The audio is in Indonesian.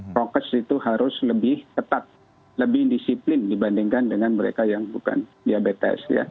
prokes itu harus lebih ketat lebih disiplin dibandingkan dengan mereka yang bukan diabetes